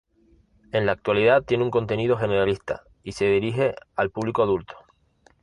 En la actualidad tiene un contenido generalista y se dirige al público adulto.